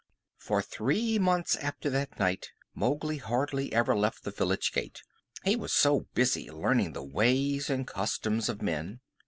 For three months after that night Mowgli hardly ever left the village gate, he was so busy learning the ways and customs of men.